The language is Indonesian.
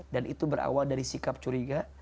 dan itu berawal dari sikap curiga